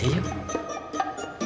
saya akan mencoba